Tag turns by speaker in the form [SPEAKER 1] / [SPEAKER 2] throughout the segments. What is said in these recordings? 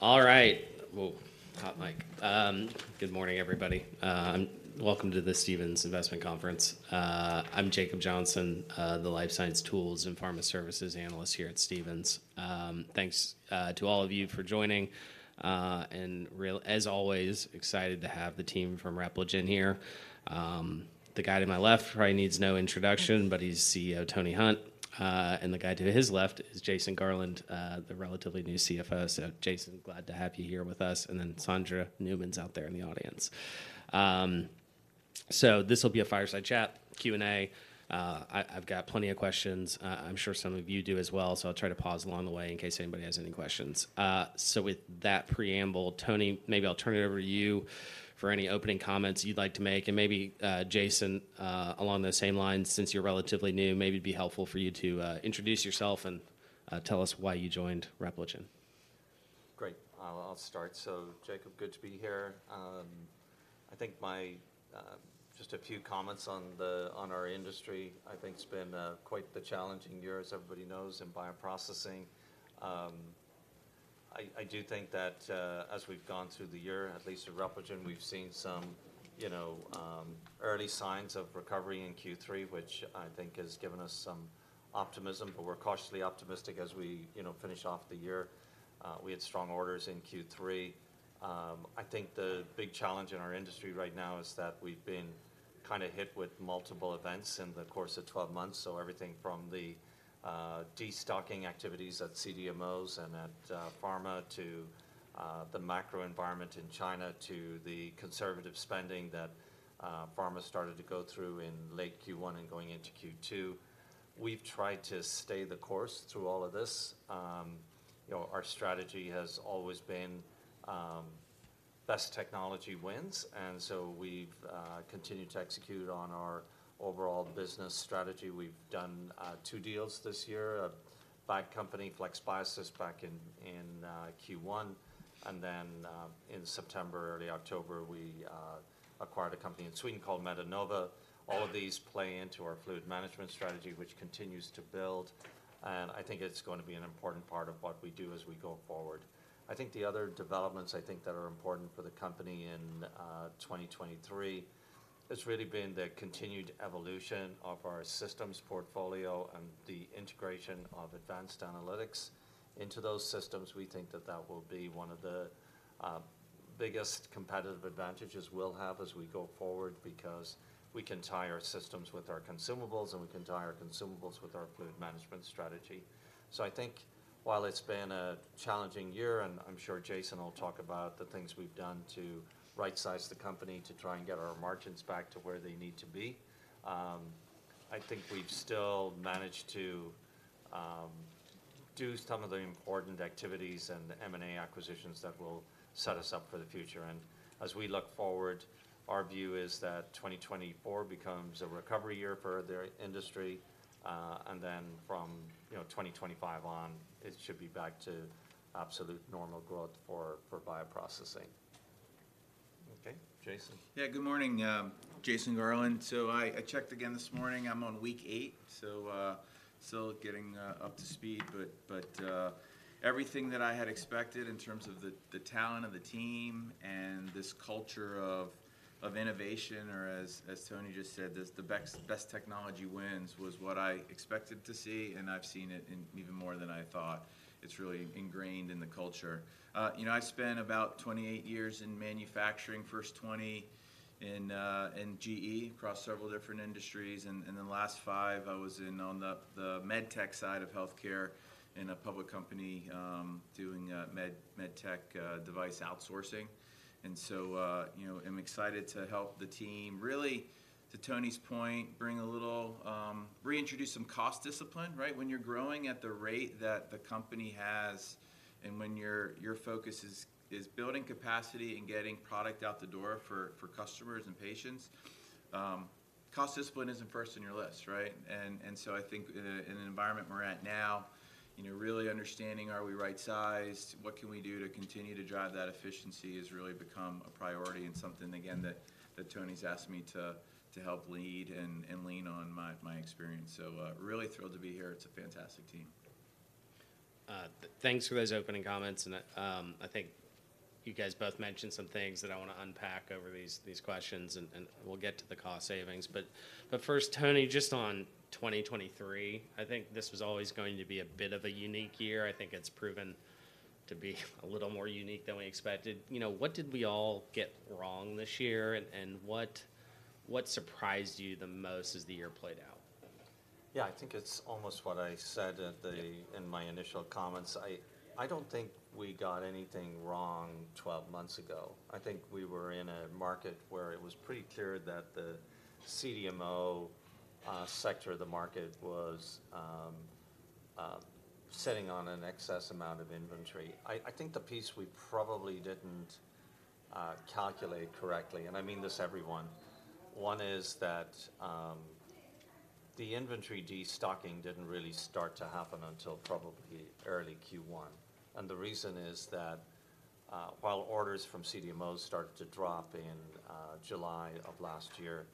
[SPEAKER 1] All right. Whoa, hot mic. Good morning, everybody. Welcome to the Stephens Investment Conference. I'm Jacob Johnson, the life science tools and pharma services analyst here at Stephens. Thanks to all of you for joining, and really, as always, excited to have the team from Repligen here. The guy to my left probably needs no introduction, but he's CEO Tony Hunt. And the guy to his left is Jason Garland, the relatively new CFO. So Jason, glad to have you here with us, and then Sondra Newman's out there in the audience. So this will be a fireside chat, Q&A. I, I've got plenty of questions. I'm sure some of you do as well, so I'll try to pause along the way in case anybody has any questions. So with that preamble, Tony, maybe I'll turn it over to you for any opening comments you'd like to make. And maybe, Jason, along those same lines, since you're relatively new, maybe it'd be helpful for you to introduce yourself and tell us why you joined Repligen.
[SPEAKER 2] Great. I'll start. So Jacob, good to be here. I think my... Just a few comments on the- on our industry. I think it's been quite the challenging year, as everybody knows, in bioprocessing. I do think that as we've gone through the year, at least at Repligen, we've seen some, you know, early signs of recovery in Q3, which I think has given us some optimism, but we're cautiously optimistic as we, you know, finish off the year. We had strong orders in Q3. I think the big challenge in our industry right now is that we've been kind of hit with multiple events in the course of 12 months. So everything from the destocking activities at CDMOs and at pharma, to the macro environment in China, to the conservative spending that pharma started to go through in late Q1 and going into Q2. We've tried to stay the course through all of this. You know, our strategy has always been best technology wins, and so we've continued to execute on our overall business strategy. We've done two deals this year, a bio company, FlexBiosys, back in Q1, and then in September, early October, we acquired a company in Sweden called Metenova. All of these play into our fluid management strategy, which continues to build, and I think it's going to be an important part of what we do as we go forward. I think the other developments, I think, that are important for the company in 2023, has really been the continued evolution of our systems portfolio and the integration of advanced analytics into those systems. We think that that will be one of the biggest competitive advantages we'll have as we go forward because we can tie our systems with our consumables, and we can tie our consumables with our fluid management strategy. So I think while it's been a challenging year, and I'm sure Jason will talk about the things we've done to rightsize the company to try and get our margins back to where they need to be, I think we've still managed to do some of the important activities and the M&A acquisitions that will set us up for the future. As we look forward, our view is that 2024 becomes a recovery year for the industry, and then from, you know, 2025 on, it should be back to absolute normal growth for bioprocessing. Okay, Jason?
[SPEAKER 3] Yeah, good morning, Jason Garland. So I checked again this morning. I'm on week eight, so still getting up to speed, but everything that I had expected in terms of the talent of the team and this culture of innovation, or as Tony just said, this, "The best technology wins," was what I expected to see, and I've seen it in even more than I thought. It's really ingrained in the culture. You know, I spent about 28 years in manufacturing, first 20 in GE across several different industries, and the last five I was in on the MedTech side of healthcare in a public company, doing MedTech device outsourcing. So, you know, I'm excited to help the team, really, to Tony's point, bring a little... reintroduce some cost discipline, right? When you're growing at the rate that the company has, and when your focus is building capacity and getting product out the door for customers and patients, cost discipline isn't first on your list, right? And so I think in an environment we're at now, you know, really understanding, are we right-sized? What can we do to continue to drive that efficiency? Has really become a priority and something again that Tony's asked me to help lead and lean on my experience. So, really thrilled to be here. It's a fantastic team.
[SPEAKER 1] Thanks for those opening comments, and I think you guys both mentioned some things that I wanna unpack over these questions, and we'll get to the cost savings. But first, Tony, just on 2023, I think this was always going to be a bit of a unique year. I think it's proven to be a little more unique than we expected. You know, what did we all get wrong this year, and what surprised you the most as the year played out?
[SPEAKER 2] Yeah, I think it's almost what I said at the-
[SPEAKER 1] Yeah...
[SPEAKER 2] in my initial comments. I, I don't think we got anything wrong 12 months ago. I think we were in a market where it was pretty clear that the CDMO sector of the market was sitting on an excess amount of inventory. I think the piece we probably didn't calculate correctly, and I mean this everyone, one is that, the inventory destocking didn't really start to happen until probably early Q1. And the reason is that, while orders from CDMOs started to drop in July of last year,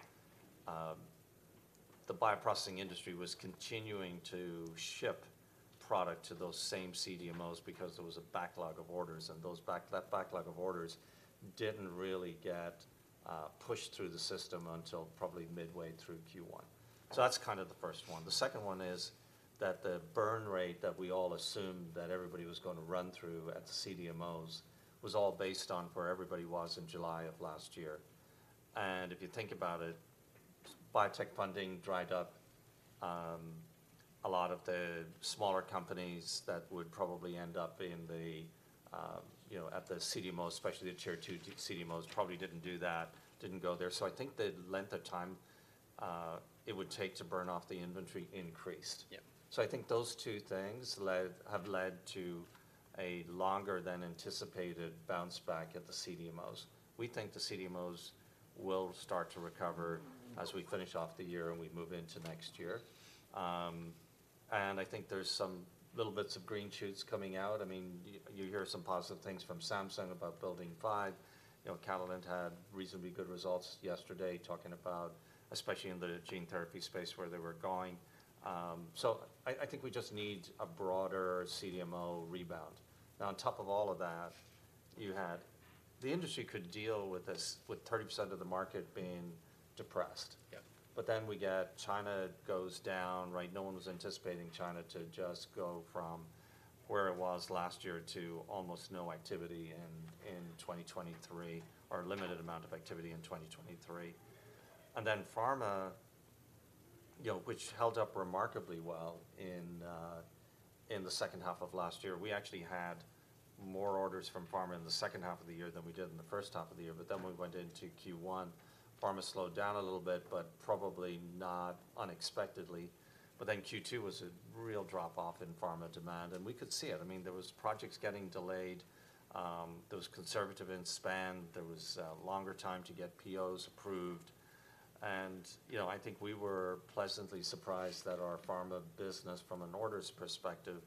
[SPEAKER 2] the bioprocessing industry was continuing to ship product to those same CDMOs because there was a backlog of orders, and that backlog of orders didn't really get pushed through the system until probably midway through Q1. So that's kind of the first one. The second one is that the burn rate that we all assumed that everybody was gonna run through at the CDMOs was all based on where everybody was in July of last year. And if you think about it, biotech funding dried up. A lot of the smaller companies that would probably end up in the, you know, at the CDMOs, especially the Tier 2 CDMOs, probably didn't do that, didn't go there. So I think the length of time it would take to burn off the inventory increased.
[SPEAKER 1] Yeah.
[SPEAKER 2] So I think those two things have led to a longer than anticipated bounce back at the CDMOs. We think the CDMOs will start to recover as we finish off the year and we move into next year. And I think there's some little bits of green shoots coming out. I mean, you, you hear some positive things from Samsung about Building Five. You know, Catalent had reasonably good results yesterday, talking about especially in the gene therapy space, where they were going. So I, I think we just need a broader CDMO rebound. Now, on top of all of that, you had... The industry could deal with this, with 30% of the market being depressed.
[SPEAKER 1] Yeah.
[SPEAKER 2] But then we get China goes down, right? No one was anticipating China to just go from where it was last year to almost no activity in 2023, or a limited amount of activity in 2023. And then pharma, you know, which held up remarkably well in the second half of last year. We actually had more orders from pharma in the second half of the year than we did in the first half of the year, but then we went into Q1, pharma slowed down a little bit, but probably not unexpectedly. But then Q2 was a real drop-off in pharma demand, and we could see it. I mean, there was projects getting delayed, there was conservative in spend, there was a longer time to get POs approved. And, you know, I think we were pleasantly surprised that our pharma business, from an orders perspective,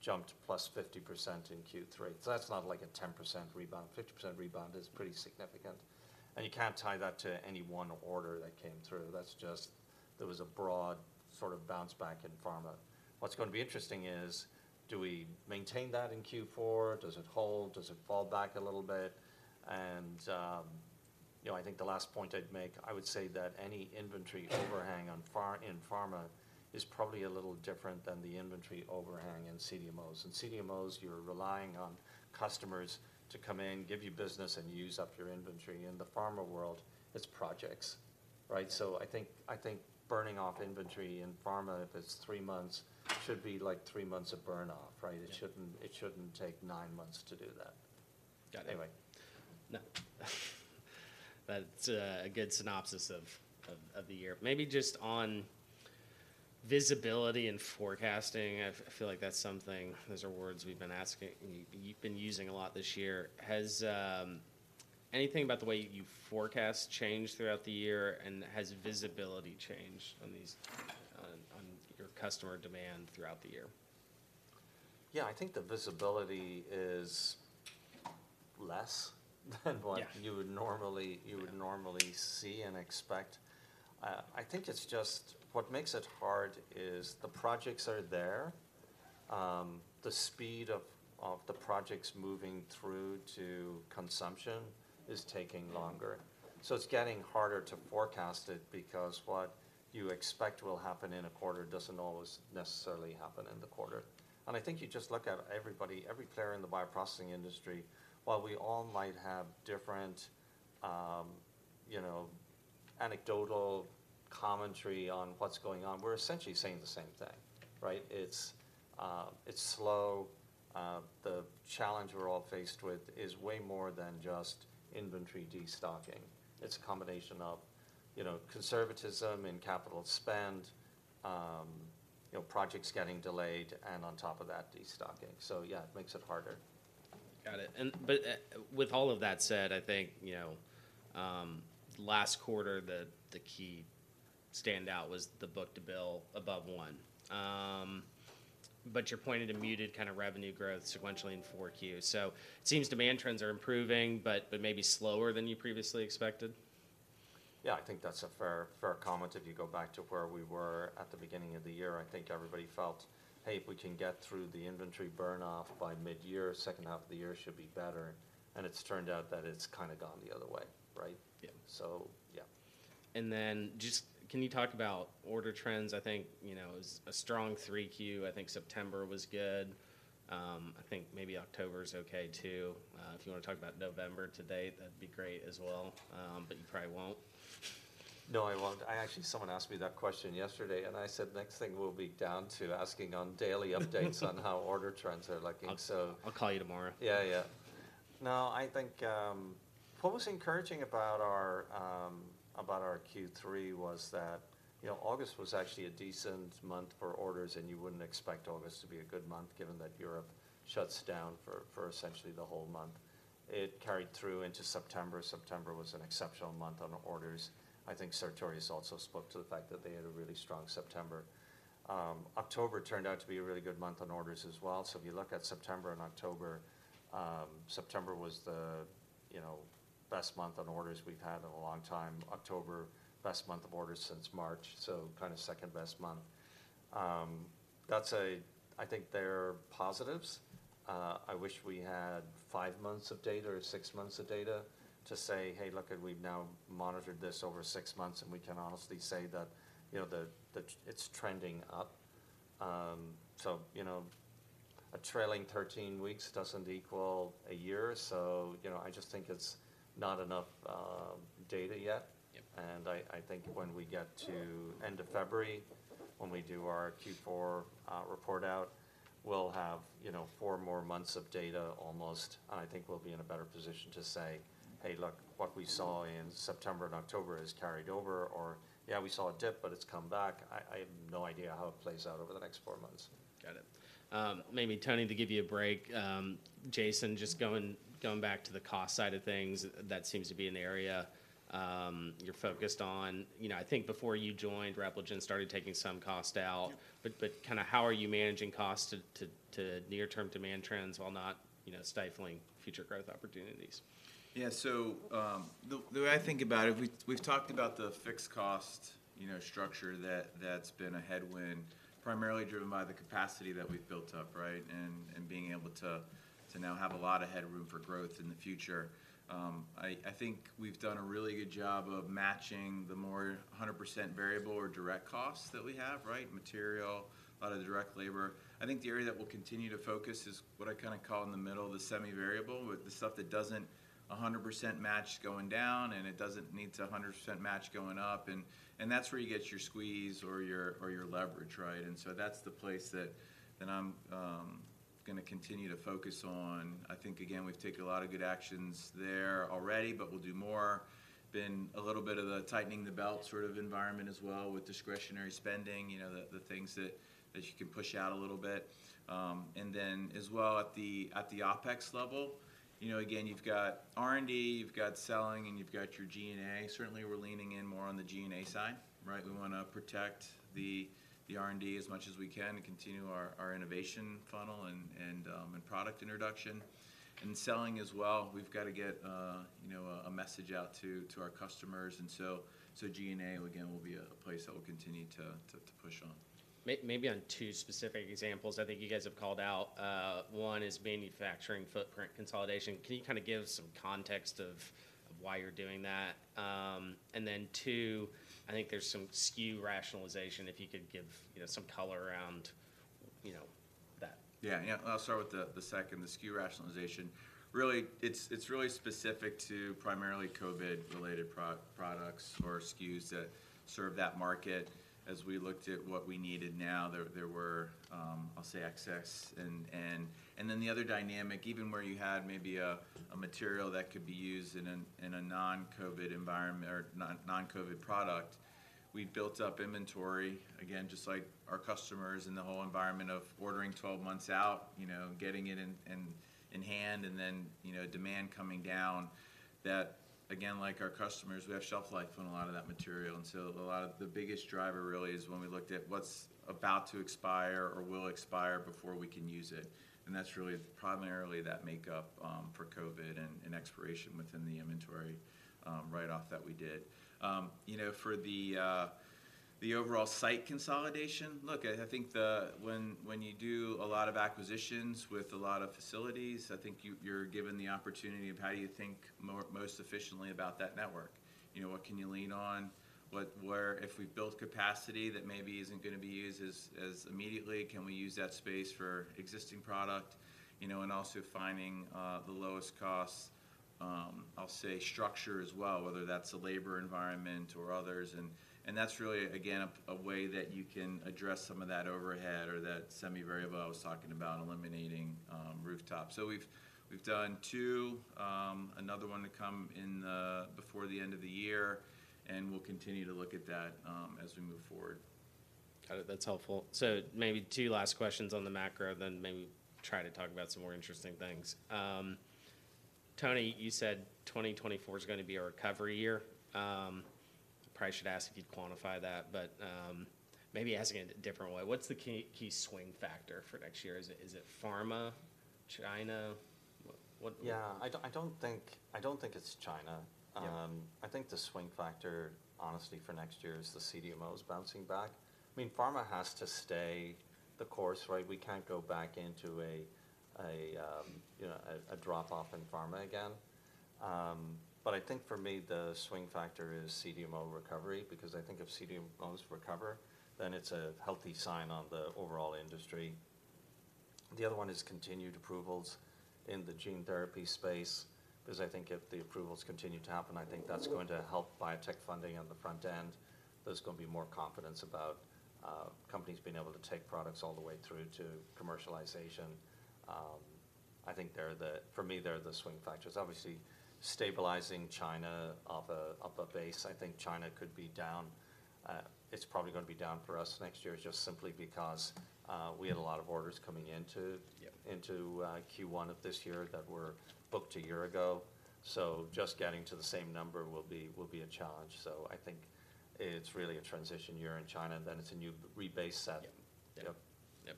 [SPEAKER 2] jumped +50% in Q3. So that's not like a 10% rebound; 50% rebound is pretty significant, and you can't tie that to any one order that came through. That's just there was a broad sort of bounce back in pharma. What's going to be interesting is, do we maintain that in Q4? Does it hold? Does it fall back a little bit? And, you know, I think the last point I'd make, I would say that any inventory overhang on pharma is probably a little different than the inventory overhang in CDMOs. In CDMOs, you're relying on customers to come in, give you business, and use up your inventory. In the pharma world, it's projects, right? I think, I think burning off inventory in pharma, if it's three months, should be like three months of burn-off, right?
[SPEAKER 1] Yeah.
[SPEAKER 2] It shouldn't, it shouldn't take nine months to do that.
[SPEAKER 1] Got it.
[SPEAKER 2] Anyway.
[SPEAKER 1] No, that's a good synopsis of the year. Maybe just on visibility and forecasting, I feel like that's something... Those are words we've been asking, we've been using a lot this year. Has anything about the way you forecast changed throughout the year, and has visibility changed on these on your customer demand throughout the year?
[SPEAKER 2] Yeah, I think the visibility is less than-
[SPEAKER 1] Yeah...
[SPEAKER 2] what you would normally, you would normally see and expect. I think it's just what makes it hard is the projects are there, the speed of the projects moving through to consumption is taking longer. So it's getting harder to forecast it because what you expect will happen in a quarter doesn't always necessarily happen in the quarter. And I think you just look at everybody, every player in the bioprocessing industry, while we all might have different, you know, anecdotal commentary on what's going on, we're essentially saying the same thing, right? It's, it's slow. The challenge we're all faced with is way more than just inventory destocking. It's a combination of, you know, conservatism in capital spend, you know, projects getting delayed, and on top of that, destocking. So yeah, it makes it harder.
[SPEAKER 1] Got it. But with all of that said, I think, you know, last quarter, the key standout was the book-to-bill above 1. But you're pointed to muted kind of revenue growth sequentially in Q4. So it seems demand trends are improving, but maybe slower than you previously expected?
[SPEAKER 2] Yeah, I think that's a fair, fair comment. If you go back to where we were at the beginning of the year, I think everybody felt, "Hey, if we can get through the inventory burn-off by mid-year, second half of the year should be better." And it's turned out that it's kind of gone the other way, right?
[SPEAKER 1] Yeah.
[SPEAKER 2] So yeah.
[SPEAKER 1] Can you talk about order trends? I think, you know, it was a strong three Q. I think September was good. I think maybe October is okay too. If you want to talk about November to date, that'd be great as well, but you probably won't.
[SPEAKER 2] No, I won't. I actually, someone asked me that question yesterday, and I said, "Next thing will be down to asking on daily updates on how order trends are looking." So-
[SPEAKER 1] I'll call you tomorrow.
[SPEAKER 2] Yeah, yeah. No, I think, what was encouraging about our, about our Q3 was that, you know, August was actually a decent month for orders, and you wouldn't expect August to be a good month, given that Europe shuts down for, for essentially the whole month. It carried through into September. September was an exceptional month on orders. I think Sartorius also spoke to the fact that they had a really strong September. October turned out to be a really good month on orders as well. So if you look at September and October, September was the, you know, best month on orders we've had in a long time. October, best month of orders since March, so kind of second-best month. That's a-- I think they're positives. I wish we had five months of data or six months of data to say, "Hey, look it, we've now monitored this over six months, and we can honestly say that, you know, it's trending up." So, you know, a trailing 13 weeks doesn't equal a year. So, you know, I just think it's not enough data yet.
[SPEAKER 1] Yep.
[SPEAKER 2] I think when we get to end of February, when we do our Q4 report out, we'll have, you know, four more months of data almost, and I think we'll be in a better position to say, "Hey, look, what we saw in September and October has carried over," or, "Yeah, we saw a dip, but it's come back." I have no idea how it plays out over the next four months.
[SPEAKER 1] Got it. Maybe, Tony, to give you a break, Jason, just going back to the cost side of things, that seems to be an area you're focused on. You know, I think before you joined, Repligen started taking some cost out.
[SPEAKER 3] Yep.
[SPEAKER 1] But kind of how are you managing cost to near-term demand trends while not, you know, stifling future growth opportunities?
[SPEAKER 3] Yeah. So, the way I think about it, we've talked about the fixed cost, you know, structure that's been a headwind, primarily driven by the capacity that we've built up, right? And being able to now have a lot of headroom for growth in the future. I think we've done a really good job of matching the more 100% variable or direct costs that we have, right? Material, a lot of the direct labor. I think the area that we'll continue to focus is what I kind of call in the middle, the semi-variable, with the stuff that doesn't 100% match going down, and it doesn't need to 100% match going up, and that's where you get your squeeze or your leverage, right? And so that's the place that I'm gonna continue to focus on. I think, again, we've taken a lot of good actions there already, but we'll do more. Been a little bit of the tightening the belt sort of environment as well, with discretionary spending, you know, the things that you can push out a little bit. And then as well, at the OpEx level, you know, again, you've got R&D, you've got selling, and you've got your G&A. Certainly, we're leaning in more on the G&A side, right? We wanna protect the R&D as much as we can and continue our innovation funnel and product introduction. And selling as well, we've got to get, you know, a message out to our customers. G&A, again, will be a place that we'll continue to push on.
[SPEAKER 1] Maybe on two specific examples, I think you guys have called out, one is manufacturing footprint consolidation. Can you kind of give some context of why you're doing that? And then two, I think there's some SKU rationalization, if you could give, you know, some color around, you know, that.
[SPEAKER 3] Yeah. Yeah, I'll start with the second, the SKU rationalization. Really, it's really specific to primarily COVID-related products or SKUs that serve that market. As we looked at what we needed now, there were, I'll say, excess. And then the other dynamic, even where you had maybe a material that could be used in a non-COVID environment or non-COVID product, we'd built up inventory, again, just like our customers, in the whole environment of ordering 12 months out, you know, getting it in hand, and then, you know, demand coming down. That, again, like our customers, we have shelf life on a lot of that material, and so a lot of the biggest driver really is when we looked at what's about to expire or will expire before we can use it, and that's really primarily that makeup for COVID and expiration within the inventory write-off that we did. You know, for the overall site consolidation, look, I think when you do a lot of acquisitions with a lot of facilities, I think you're given the opportunity of how you think most efficiently about that network. You know, what can you lean on? What, where... If we build capacity that maybe isn't gonna be used as immediately, can we use that space for existing product? You know, and also finding the lowest cost, I'll say, structure as well, whether that's a labor environment or others. And that's really, again, a way that you can address some of that overhead or that semi-variable I was talking about, eliminating rooftops. So we've done two, another one to come before the end of the year, and we'll continue to look at that as we move forward.
[SPEAKER 1] Got it. That's helpful. So maybe two last questions on the macro, then maybe try to talk about some more interesting things. Tony, you said 2024 is gonna be a recovery year. Probably should ask if you'd quantify that, but maybe asking it a different way: What's the key, key swing factor for next year? Is it, is it pharma, China? What-
[SPEAKER 2] Yeah. I don't think it's China.
[SPEAKER 1] Yeah.
[SPEAKER 2] I think the swing factor, honestly, for next year is the CDMOs bouncing back. I mean, pharma has to stay the course, right? We can't go back into a you know a drop-off in pharma again. But I think for me, the swing factor is CDMO recovery, because I think if CDMOs recover, then it's a healthy sign on the overall industry. The other one is continued approvals in the gene therapy space, because I think if the approvals continue to happen, I think that's going to help biotech funding on the front end. There's gonna be more confidence about companies being able to take products all the way through to commercialization. I think for me, they're the swing factors. Obviously, stabilizing China off a base, I think China could be down. It's probably gonna be down for us next year, just simply because we had a lot of orders coming into-
[SPEAKER 1] Yeah
[SPEAKER 2] ...into Q1 of this year that were booked a year ago. So just getting to the same number will be a challenge. So I think it's really a transition year in China, and then it's a new rebase set.
[SPEAKER 1] Yep.
[SPEAKER 2] Yep.
[SPEAKER 1] Yep.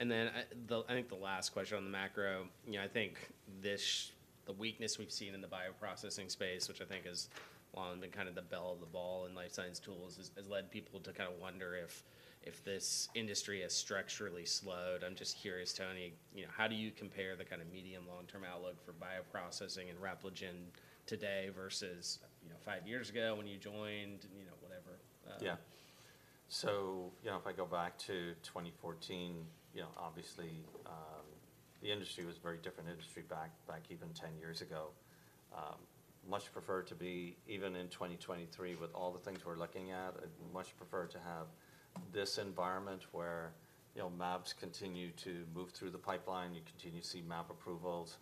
[SPEAKER 1] And then, I think the last question on the macro, you know, I think this, the weakness we've seen in the bioprocessing space, which I think has long been kind of the belle of the ball in life science tools, has led people to kind of wonder if this industry has structurally slowed. I'm just curious, Tony, you know, how do you compare the kind of medium, long-term outlook for bioprocessing and Repligen today versus, you know, five years ago when you joined, you know, whatever?
[SPEAKER 2] Yeah. So, you know, if I go back to 2014, you know, obviously, the industry was a very different industry back, back even 10 years ago. Much prefer to be, even in 2023, with all the things we're looking at, I'd much prefer to have this environment where, you know, mAbs continue to move through the pipeline. You continue to see mAb approvals.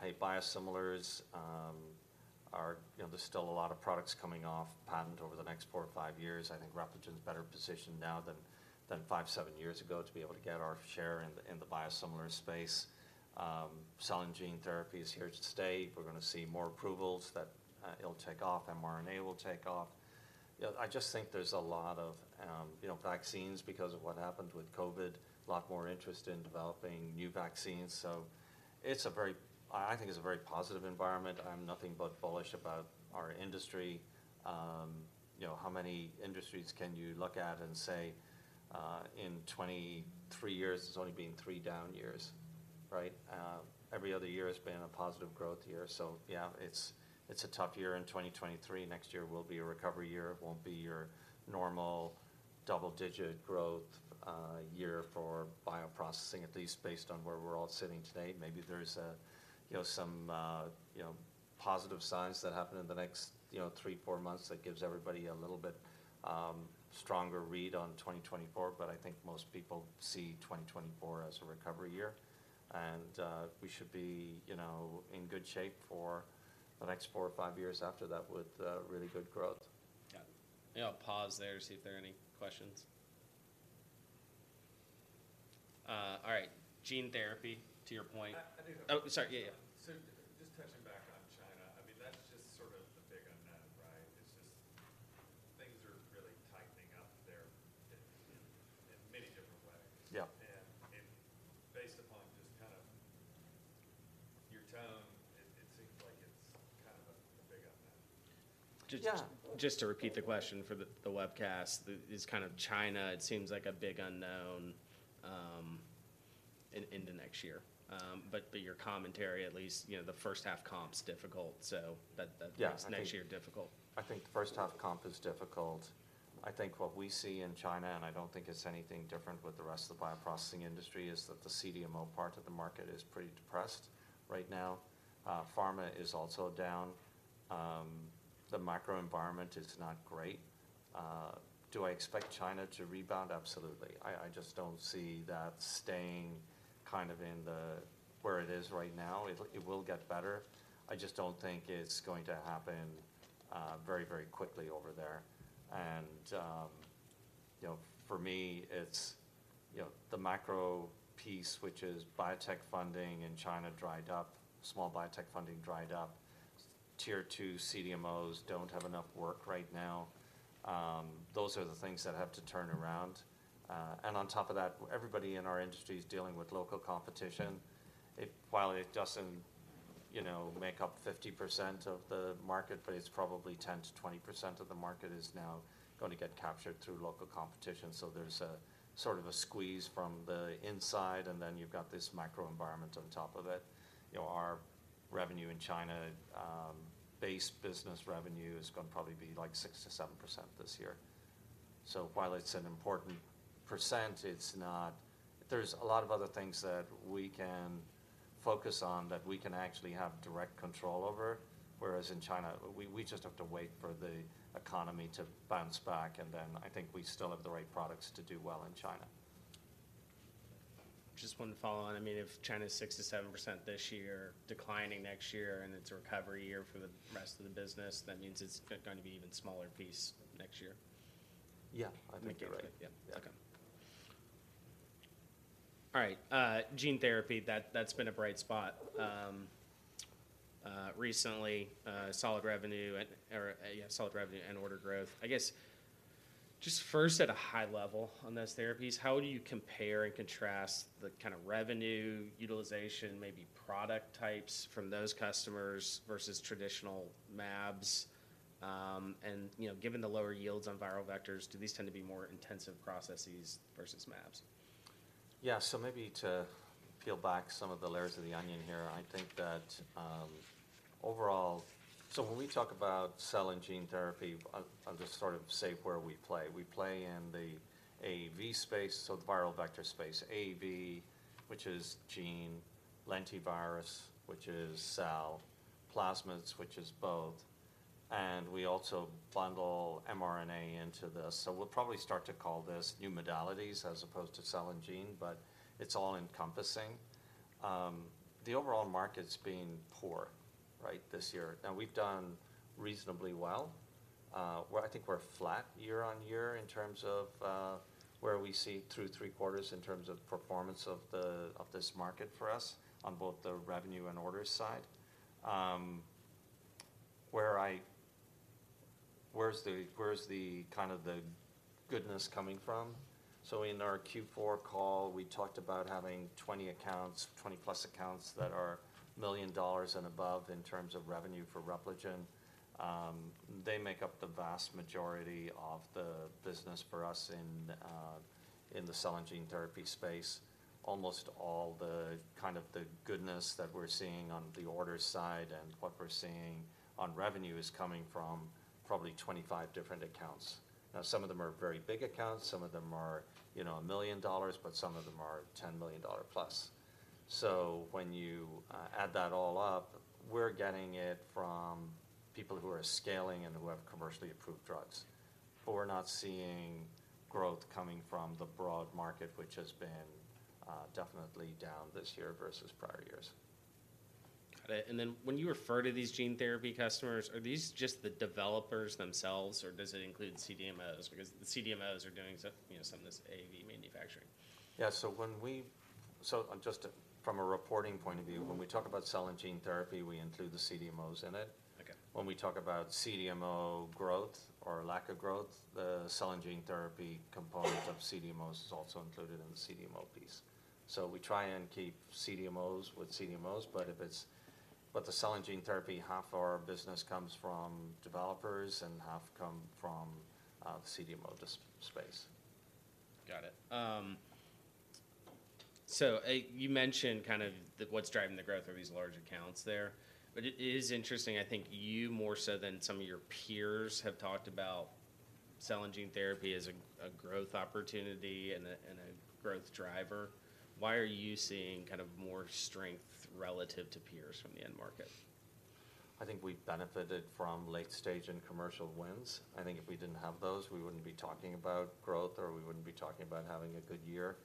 [SPEAKER 2] Hey, Biosimilars are... You know, there's still a lot of products coming off patent over the next four or five years. I think Repligen's better positioned now than, than five, seven years ago to be able to get our share in the, in the biosimilar space. Cell and gene therapy is here to stay. We're gonna see more approvals that, it'll take off, mRNA will take off. You know, I just think there's a lot of... You know, vaccines, because of what happened with COVID, a lot more interest in developing new vaccines. So I think it's a very positive environment. I'm nothing but bullish about our industry. You know, how many industries can you look at and say, in 23 years, there's only been thre down years, right? Every other year has been a positive growth year. So yeah, it's a tough year in 2023. Next year will be a recovery year. It won't be your normal double-digit growth year for bioprocessing, at least based on where we're all sitting today. Maybe there's a you know some you know positive signs that happen in the next you know three, four months that gives everybody a little bit stronger read on 2024. But I think most people see 2024 as a recovery year, and we should be, you know, in good shape for the next four or five years after that with really good growth.
[SPEAKER 1] Yeah. I'll pause there to see if there are any questions. All right, gene therapy, to your point-
[SPEAKER 4] I do.
[SPEAKER 1] Oh, sorry. Yeah, yeah.
[SPEAKER 4] Just touching back on China, I mean, that's just sort of the big unknown, right? It's just things are really tightening up there in, in many different ways.
[SPEAKER 2] Yeah.
[SPEAKER 4] Based upon just kind of your tone, it seems like it's kind of a big unknown.
[SPEAKER 1] Just-
[SPEAKER 2] Yeah...
[SPEAKER 1] just to repeat the question for the webcast, this kind of China, it seems like a big unknown in the next year. But your commentary at least, you know, the first half comp's difficult, so that makes-
[SPEAKER 2] Yeah...
[SPEAKER 1] next year difficult.
[SPEAKER 2] I think the first half comp is difficult. I think what we see in China, and I don't think it's anything different with the rest of the bioprocessing industry, is that the CDMO part of the market is pretty depressed right now. Pharma is also down. The macro environment is not great. Do I expect China to rebound? Absolutely. I just don't see that staying kind of in the where it is right now. It will get better. I just don't think it's going to happen very, very quickly over there. And you know, for me, it's you know, the macro piece, which is biotech funding in China, dried up. Small biotech funding dried up. Tier two CDMOs don't have enough work right now. Those are the things that have to turn around. And on top of that, everybody in our industry is dealing with local competition. It while it doesn't, you know, make up 50% of the market, but it's probably 10%-20% of the market is now gonna get captured through local competition. So there's a sort of a squeeze from the inside, and then you've got this microenvironment on top of it. You know, our revenue in China, base business revenue is gonna probably be, like, 6%-7% this year. So while it's an important percent, it's not... There's a lot of other things that we can focus on that we can actually have direct control over, whereas in China, we just have to wait for the economy to bounce back, and then I think we still have the right products to do well in China.
[SPEAKER 1] Just one follow-on. I mean, if China's 6%-7% this year, declining next year, and it's a recovery year for the rest of the business, that means it's gonna be even smaller piece next year?
[SPEAKER 2] Yeah, I think you're right.
[SPEAKER 1] Yeah.
[SPEAKER 2] Yeah.
[SPEAKER 1] Okay. All right, gene therapy, that's been a bright spot. Recently, solid revenue and order growth. I guess, just first at a high level on those therapies, how do you compare and contrast the kind of revenue, utilization, maybe product types from those customers versus traditional mAbs? And, you know, given the lower yields on viral vectors, do these tend to be more intensive processes versus mAbs?
[SPEAKER 2] Yeah. So maybe to peel back some of the layers of the onion here, I think that, overall... So when we talk about cell and gene therapy, I'll just sort of say where we play. We play in the AAV space, so the viral vector space. AAV, which is gene, lentivirus, which is cell, plasmids, which is both, and we also bundle mRNA into this. So we'll probably start to call this new modalities as opposed to cell and gene, but it's all-encompassing. The overall market's been poor, right, this year, and we've done reasonably well. We're-- I think we're flat year-on-year in terms of, where we see two, three quarters in terms of performance of this market for us on both the revenue and orders side.... where's the kind of goodness coming from? So in our Q4 call, we talked about having 20 accounts, 20+ accounts that are $1 million and above in terms of revenue for Repligen. They make up the vast majority of the business for us in the cell and gene therapy space. Almost all the kind of the goodness that we're seeing on the orders side and what we're seeing on revenue is coming from probably 25 different accounts. Now, some of them are very big accounts, some of them are, you know, $1 million, but some of them are $10 million+. So when you add that all up, we're getting it from people who are scaling and who have commercially approved drugs, but we're not seeing growth coming from the broad market, which has been definitely down this year versus prior years.
[SPEAKER 1] Got it. And then when you refer to these gene therapy customers, are these just the developers themselves, or does it include CDMOs? Because the CDMOs are doing some, you know, some of this AAV manufacturing.
[SPEAKER 2] Yeah. So, on just a... from a reporting point of view- When we talk about Cell and Gene Therapy, we include the CDMOs in it.
[SPEAKER 1] Okay.
[SPEAKER 2] When we talk about CDMO growth or lack of growth, the cell and gene therapy component of CDMOs is also included in the CDMO piece. So we try and keep CDMOs with CDMOs, but the cell and gene therapy, half our business comes from developers, and half come from the CDMO space.
[SPEAKER 1] Got it. So, you mentioned kind of the, what's driving the growth are these large accounts there. But it is interesting, I think you, more so than some of your peers, have talked about Cell and Gene Therapy as a growth opportunity and a growth driver. Why are you seeing kind of more strength relative to peers from the end market?
[SPEAKER 2] I think we've benefited from late-stage and commercial wins. I think if we didn't have those, we wouldn't be talking about growth, or we wouldn't be talking about having a good year.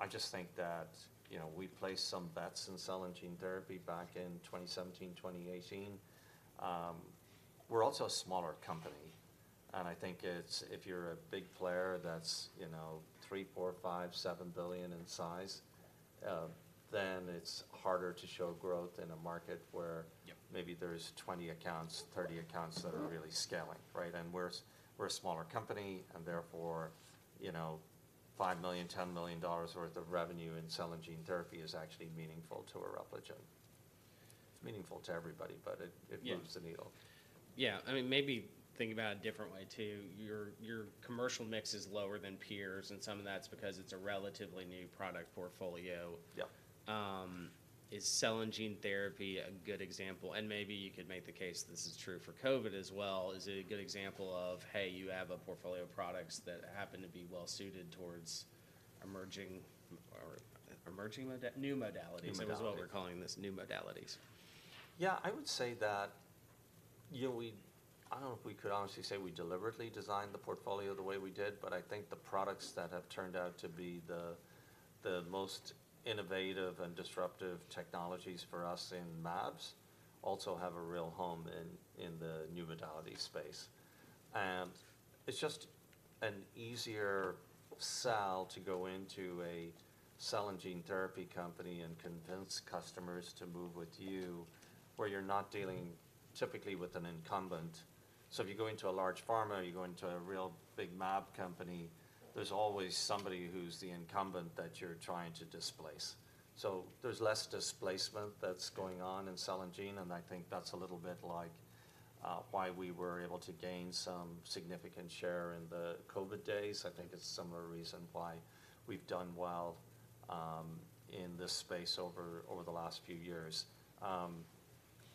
[SPEAKER 2] I just think that, you know, we placed some bets in cell and gene therapy back in 2017, 2018. We're also a smaller company, and I think it's- if you're a big player that's, you know, $3 billion, $4 billion, $5 billion, $7 billion in size, then it's harder to show growth in a market where-
[SPEAKER 1] Yep...
[SPEAKER 2] maybe there's 20 accounts, 30 accounts that are really scaling, right? And we're a smaller company, and therefore, you know, $5 million, $10 million worth of revenue in cell and gene therapy is actually meaningful to Repligen. It's meaningful to everybody, but it-
[SPEAKER 1] Yeah...
[SPEAKER 2] it moves the needle.
[SPEAKER 1] Yeah. I mean, maybe think about it a different way, too. Your commercial mix is lower than peers, and some of that's because it's a relatively new product portfolio.
[SPEAKER 2] Yeah.
[SPEAKER 1] Is cell and gene therapy a good example? And maybe you could make the case this is true for COVID as well. Is it a good example of, hey, you have a portfolio of products that happen to be well suited towards emerging mRNA or emerging new modalities-
[SPEAKER 2] New modalities...
[SPEAKER 1] is what we're calling this, new modalities.
[SPEAKER 2] Yeah, I would say that, you know, we... I don't know if we could honestly say we deliberately designed the portfolio the way we did, but I think the products that have turned out to be the most innovative and disruptive technologies for us in mAbs also have a real home in the new modality space. And it's just an easier sell to go into a cell and gene therapy company and convince customers to move with you, where you're not dealing typically with an incumbent. So if you go into a large pharma or you go into a real big mAb company, there's always somebody who's the incumbent that you're trying to displace. So there's less displacement that's going on in cell and gene, and I think that's a little bit like why we were able to gain some significant share in the COVID days. I think it's a similar reason why we've done well in this space over the last few years.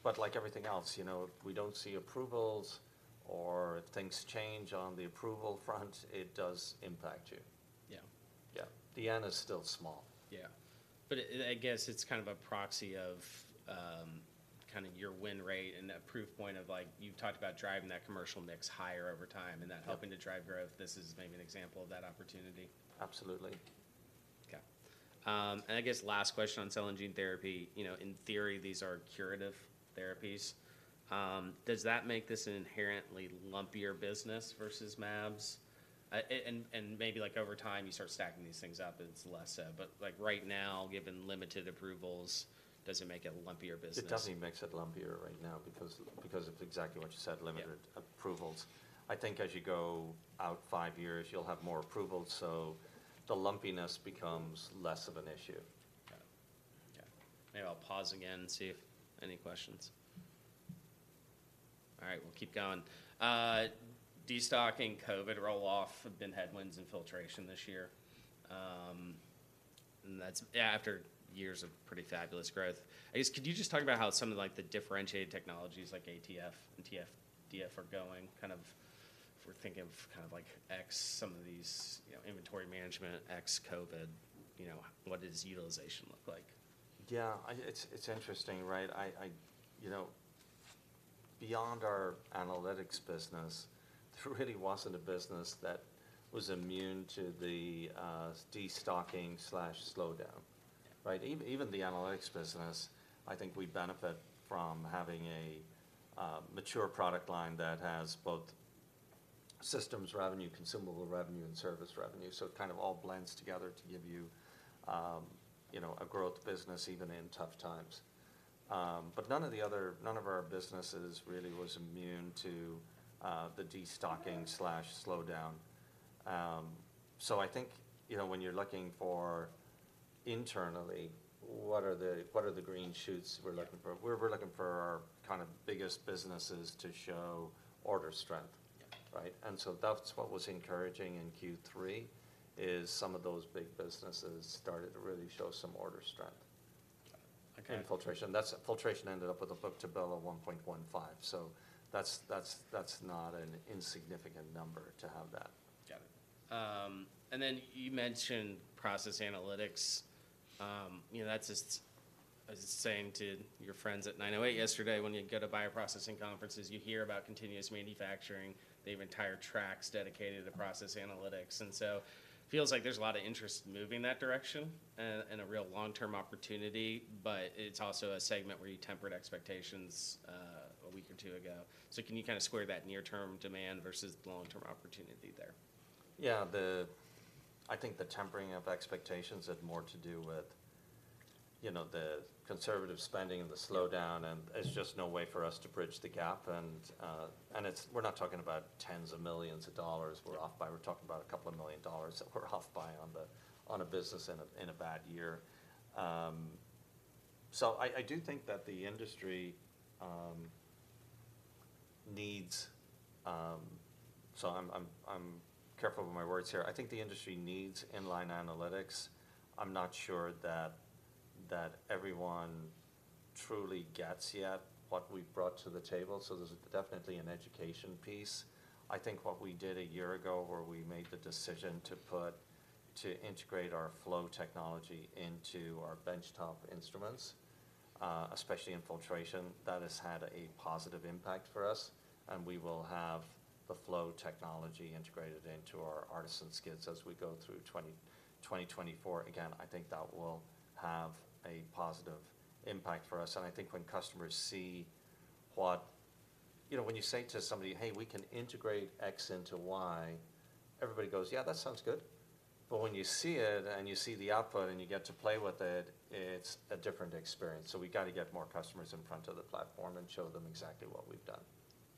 [SPEAKER 2] But like everything else, you know, if we don't see approvals or things change on the approval front, it does impact you.
[SPEAKER 1] Yeah.
[SPEAKER 2] Yeah. The N is still small.
[SPEAKER 1] Yeah. But I guess it's kind of a proxy of kind of your win rate and that proof point of, like, you've talked about driving that commercial mix higher over time, and that-
[SPEAKER 2] Yeah...
[SPEAKER 1] helping to drive growth. This is maybe an example of that opportunity.
[SPEAKER 2] Absolutely.
[SPEAKER 1] Okay. And I guess last question on cell and gene therapy. You know, in theory, these are curative therapies. Does that make this an inherently lumpier business versus mAbs? And maybe, like, over time, you start stacking these things up, and it's less so. But, like, right now, given limited approvals, does it make it a lumpier business?
[SPEAKER 2] It definitely makes it lumpier right now because of exactly what you said-
[SPEAKER 1] Yeah...
[SPEAKER 2] limited approvals. I think as you go out five years, you'll have more approvals, so the lumpiness becomes less of an issue.
[SPEAKER 1] Yeah. Maybe I'll pause again and see if any questions. All right, we'll keep going. Destocking COVID roll-off have been headwinds in filtration this year, and that's, after years of pretty fabulous growth. I guess, could you just talk about how some of, like, the differentiated technologies like ATF and TFF are going? Kind of if we're thinking of kind of like ex, some of these, you know, inventory management, ex COVID, you know, what does utilization look like?
[SPEAKER 2] Yeah, it's interesting, right? You know, beyond our analytics business, there really wasn't a business that was immune to the destocking/slowdown, right? Even the analytics business, I think we benefit from having a mature product line that has systems revenue, consumable revenue, and service revenue. So it kind of all blends together to give you, you know, a growth business, even in tough times. But none of our businesses really was immune to the destocking/slowdown. So I think, you know, when you're looking for internally, what are the green shoots we're looking for? We're looking for our kind of biggest businesses to show order strength.
[SPEAKER 1] Yeah.
[SPEAKER 2] Right? And so that's what was encouraging in Q3, is some of those big businesses started to really show some order strength.
[SPEAKER 1] Okay.
[SPEAKER 2] In filtration. That's. Filtration ended up with a book-to-bill of 1.15. So that's, that's, that's not an insignificant number to have that.
[SPEAKER 1] Got it. And then you mentioned process analytics. You know, that's just... I was just saying to your friends at 908 yesterday, when you go to bioprocessing conferences, you hear about continuous manufacturing. They have entire tracks dedicated to process analytics. And so, feels like there's a lot of interest in moving that direction, and a real long-term opportunity, but it's also a segment where you tempered expectations, a week or two ago. So can you kind of square that near-term demand versus the long-term opportunity there?
[SPEAKER 2] Yeah. I think the tempering of expectations had more to do with, you know, the conservative spending and the slowdown, and there's just no way for us to bridge the gap. And it's, we're not talking about $ tens of millions we're off by.
[SPEAKER 1] Yeah.
[SPEAKER 2] We're talking about $2 million that we're off by on a business in a bad year. So I do think that the industry needs... So I'm careful with my words here. I think the industry needs inline analytics. I'm not sure that everyone truly gets yet what we've brought to the table, so there's definitely an education piece. I think what we did a year ago, where we made the decision to put to integrate our flow technology into our benchtop instruments, especially in filtration, that has had a positive impact for us, and we will have the flow technology integrated into our ARTeSYN skids as we go through 2024. Again, I think that will have a positive impact for us. And I think when customers see what, you know, when you say to somebody, "Hey, we can integrate X into Y," everybody goes, "Yeah, that sounds good." But when you see it, and you see the output, and you get to play with it, it's a different experience. So we've got to get more customers in front of the platform and show them exactly what we've done.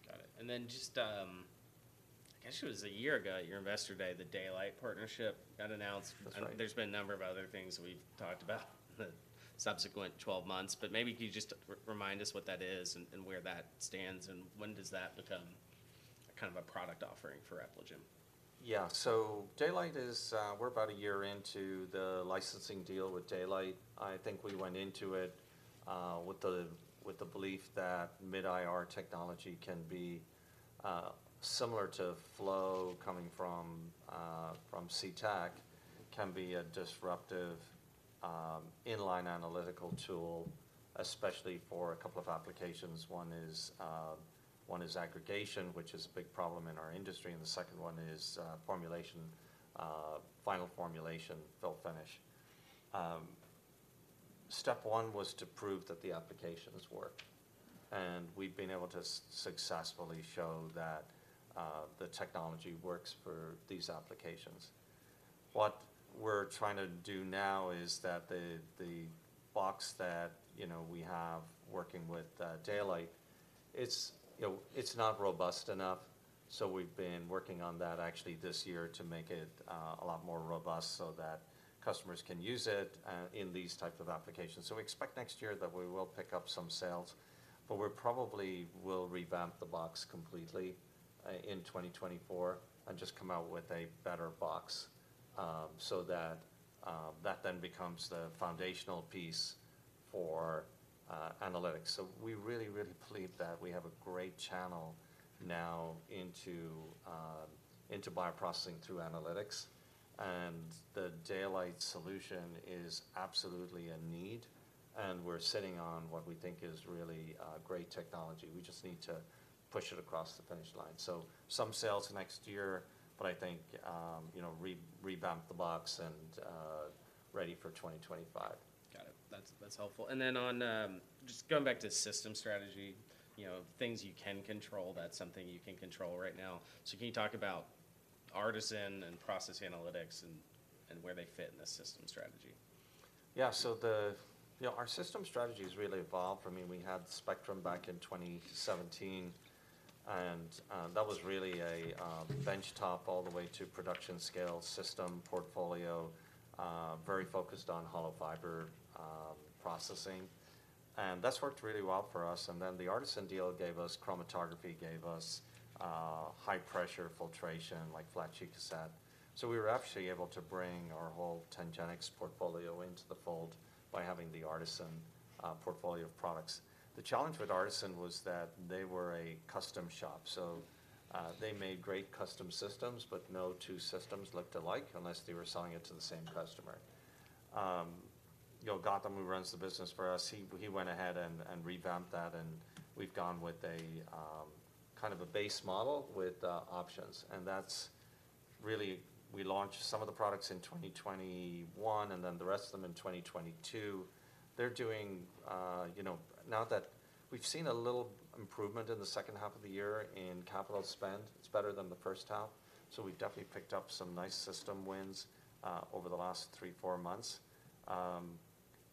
[SPEAKER 1] Got it. And then just, I guess it was a year ago at your Investor Day, the Daylight Partnership got announced.
[SPEAKER 2] That's right.
[SPEAKER 1] There's been a number of other things we've talked about in the subsequent 12 months, but maybe can you just remind us what that is and, and where that stands, and when does that become kind of a product offering for Repligen?
[SPEAKER 2] Yeah. So Daylight is... We're about a year into the licensing deal with Daylight. I think we went into it with the belief that mid-IR technology can be similar to flow coming from C-Tech, can be a disruptive inline analytical tool, especially for a couple of applications. One is aggregation, which is a big problem in our industry, and the second one is formulation final formulation, fill-finish. Step one was to prove that the applications work, and we've been able to successfully show that the technology works for these applications. What we're trying to do now is that the box that, you know, we have working with Daylight, it's, you know, it's not robust enough. So we've been working on that actually this year to make it, a lot more robust so that customers can use it, in these type of applications. So we expect next year that we will pick up some sales, but we probably will revamp the box completely, in 2024 and just come out with a better box, so that, that then becomes the foundational piece for, analytics. So we really, really believe that we have a great channel now into, into bioprocessing through analytics. And the Daylight solution is absolutely a need, and we're sitting on what we think is really, great technology. We just need to push it across the finish line. So some sales next year, but I think, you know, revamp the box and, ready for 2025.
[SPEAKER 1] Got it. That's, that's helpful. And then, on just going back to system strategy, you know, things you can control, that's something you can control right now. So can you talk about ARTeSYN and Process Analytics and, and where they fit in the system strategy?
[SPEAKER 2] Yeah. So the, you know, our system strategy has really evolved. I mean, we had Spectrum back in 2017, and that was really a benchtop all the way to production scale system portfolio, very focused on hollow fiber processing. And that's worked really well for us. And then the ARTeSYN deal gave us chromatography, gave us high-pressure filtration, like flat sheet cassette. So we were actually able to bring our whole TangenX portfolio into the fold by having the ARTeSYN portfolio of products. The challenge with ARTeSYN was that they were a custom shop. So they made great custom systems, but no two systems looked alike unless they were selling it to the same customer. You know, Gautam, who runs the business for us, he went ahead and revamped that, and we've gone with a kind of a base model with options. And that's really, we launched some of the products in 2021, and then the rest of them in 2022. They're doing, you know, now that we've seen a little improvement in the second half of the year in capital spend, it's better than the first half. So we've definitely picked up some nice system wins over the last three, four months.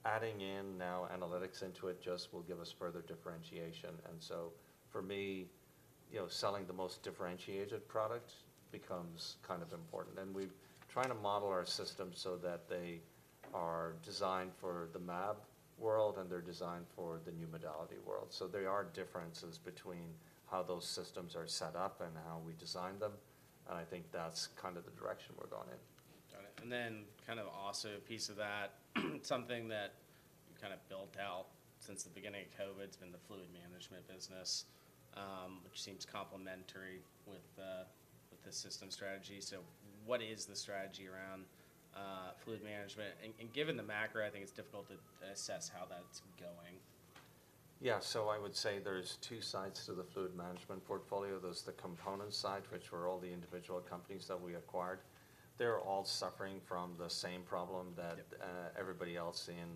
[SPEAKER 2] Adding in now analytics into it just will give us further differentiation. And so for me, you know, selling the most differentiated product becomes kind of important. And we've trying to model our systems so that they are designed for the mAb world, and they're designed for the new modality world. So there are differences between how those systems are set up and how we design them, and I think that's kind of the direction we're going in.
[SPEAKER 1] Got it. And then kind of also a piece of that, something that you kind of built out since the beginning of COVID has been the fluid management business, which seems complementary with, with the system strategy. So what is the strategy around, fluid management? And, and given the macro, I think it's difficult to, to assess how that's going.
[SPEAKER 2] Yeah. So I would say there's two sides to the fluid management portfolio. There's the component side, which were all the individual companies that we acquired. They're all suffering from the same problem that-
[SPEAKER 1] Yep...
[SPEAKER 2] everybody else in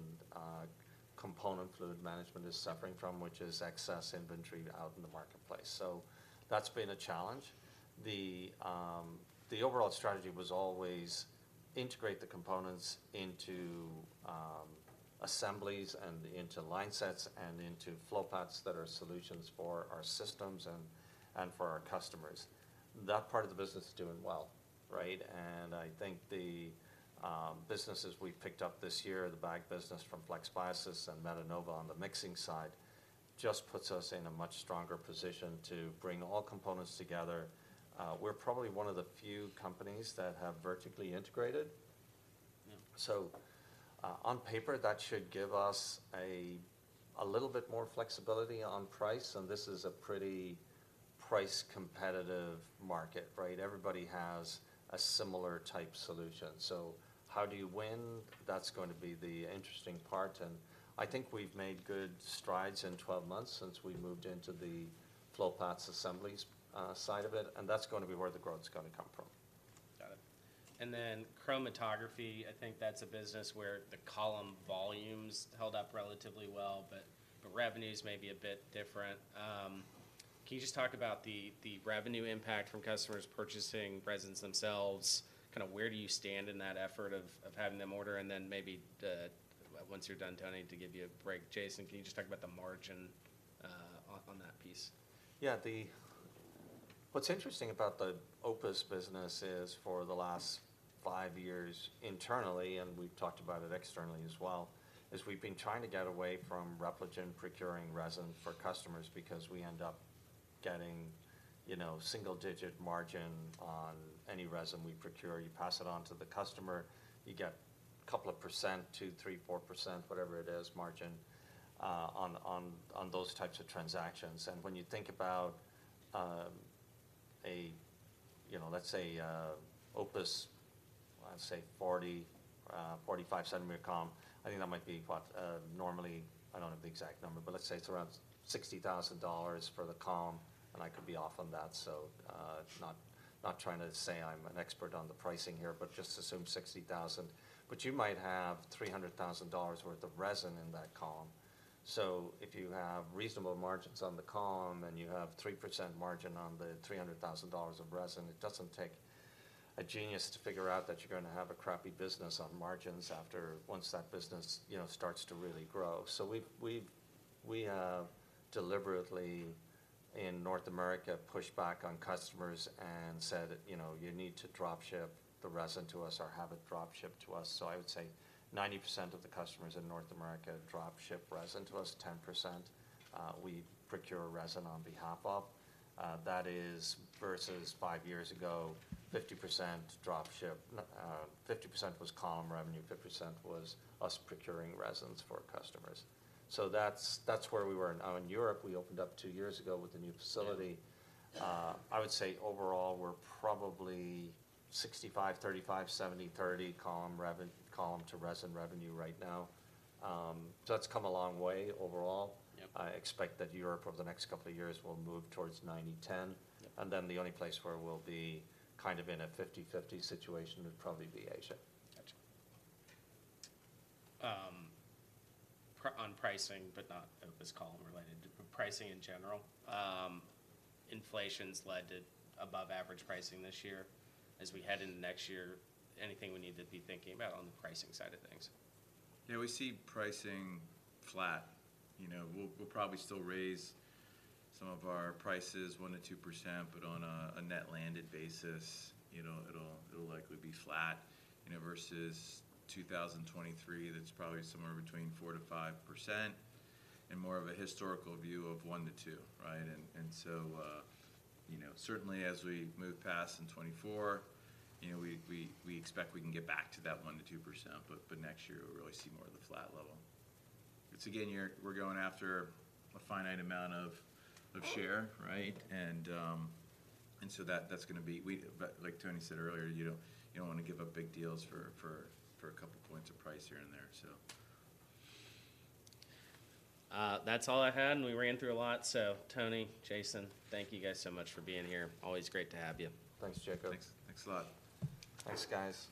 [SPEAKER 2] component fluid management is suffering from, which is excess inventory out in the marketplace. So that's been a challenge. The overall strategy was always integrate the components into assemblies and into line sets and into flow paths that are solutions for our systems and for our customers. That part of the business is doing well, right? And I think the businesses we've picked up this year, the bag business from FlexBiosys and Metenova on the mixing side, just puts us in a much stronger position to bring all components together. We're probably one of the few companies that have vertically integrated.
[SPEAKER 1] Yeah.
[SPEAKER 2] So, on paper, that should give us a little bit more flexibility on price, and this is a pretty price-competitive market, right? Everybody has a similar type solution. So how do you win? That's going to be the interesting part, and I think we've made good strides in 12 months since we moved into the flow paths assemblies side of it, and that's going to be where the growth is gonna come from.
[SPEAKER 1] Got it. And then chromatography, I think that's a business where the column volumes held up relatively well, but the revenues may be a bit different. Can you just talk about the revenue impact from customers purchasing resins themselves? Kind of where do you stand in that effort of having them order? And then maybe, once you're done, Tony, to give you a break, Jason, can you just talk about the margin off on that piece?
[SPEAKER 2] Yeah, what's interesting about the OPUS business is for the last five years internally, and we've talked about it externally as well, is we've been trying to get away from Repligen procuring resin for customers because we end up getting, you know, single-digit margin on any resin we procure. You pass it on to the customer, you get a couple of percent, 2%, 3%, 4%, whatever it is, margin on those types of transactions. And when you think about, you know, let's say OPUS, let's say 45 cm column, I think that might be what? Normally, I don't have the exact number, but let's say it's around $60,000 for the column, and I could be off on that. So, not trying to say I'm an expert on the pricing here, but just assume $60,000. But you might have $300,000 worth of resin in that column. So if you have reasonable margins on the column and you have 3% margin on the $300,000 of resin, it doesn't take a genius to figure out that you're gonna have a crappy business on margins after, once that business, you know, starts to really grow. So we have deliberately, in North America, pushed back on customers and said, "You know, you need to drop ship the resin to us or have it drop shipped to us." So I would say 90% of the customers in North America drop ship resin to us, 10% we procure resin on behalf of. That is versus five years ago, 50% drop ship, 50% was column revenue, 50% was us procuring resins for customers. So that's, that's where we were. Now, in Europe, we opened up two years ago with a new facility.
[SPEAKER 1] Yeah.
[SPEAKER 2] I would say overall, we're probably 65-35, 70-30 column to resin revenue right now. So that's come a long way overall.
[SPEAKER 1] Yep.
[SPEAKER 2] I expect that Europe, over the next couple of years, will move towards 90/10.
[SPEAKER 1] Yep.
[SPEAKER 2] And then the only place where we'll be kind of in a 50/50 situation would probably be Asia.
[SPEAKER 1] Gotcha. On pricing, but not of this column related, but pricing in general, inflation's led to above average pricing this year. As we head into next year, anything we need to be thinking about on the pricing side of things?
[SPEAKER 2] Yeah, we see pricing flat. You know, we'll probably still raise some of our prices 1%-2%, but on a net landed basis, you know, it'll likely be flat, you know, versus 2023, that's probably somewhere between 4%-5%, and more of a historical view of 1%-2%, right? And so, you know, certainly as we move past in 2024, you know, we expect we can get back to that 1%-2%, but next year, we'll really see more of the flat level. Once again, we're going after a finite amount of share, right? And so that, that's gonna be, but like Tony said earlier, you don't wanna give up big deals for a couple points of price here and there, so.
[SPEAKER 1] That's all I had, and we ran through a lot. So Tony, Jason, thank you guys so much for being here. Always great to have you.
[SPEAKER 3] Thanks, Jacob.
[SPEAKER 2] Thanks. Thanks a lot.
[SPEAKER 3] Thanks, guys.